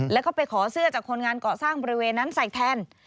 แล้วก็ไปขอเสื้อจากคนงานเกาะสร้างบริเวณนั้นใส่แทน